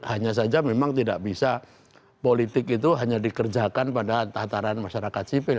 hanya saja memang tidak bisa politik itu hanya dikerjakan pada tataran masyarakat sipil